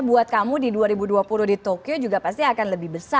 buat kamu di dua ribu dua puluh di tokyo juga pasti akan lebih besar